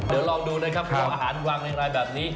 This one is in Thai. เดี๋ยวลองดูเลยครับพวกอาหารวางในรายแบบนี้